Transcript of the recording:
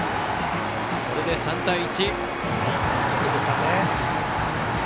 これで３対１。